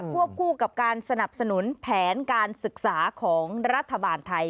วบคู่กับการสนับสนุนแผนการศึกษาของรัฐบาลไทย